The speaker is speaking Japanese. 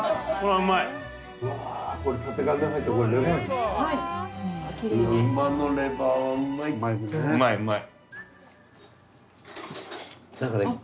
うまいうまい。